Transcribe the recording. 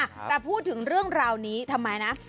แต่พูดถึงเรื่องราวนี้ทำไมนะ